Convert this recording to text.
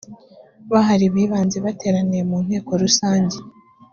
bahari b ibanze bateraniye mu nteko rusange